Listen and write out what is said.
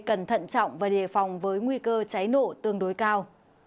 cần thận trọng và đề phòng với nguy cơ cháy nổ tương đối cao